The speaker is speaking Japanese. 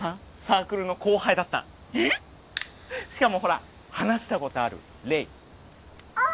サークルの後輩だったしかもほら話したことある黎あ！